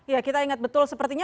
ya kita ingat betul sepertinya